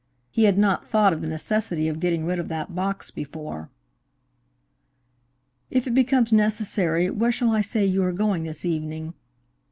He had not thought of, the necessity of getting rid of that box before. "If it becomes necessary, where shall I say you are going this evening?"